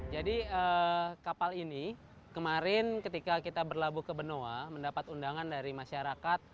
jadi kapal ini kemarin ketika kita berlabuh ke benoa mendapat undangan dari masyarakat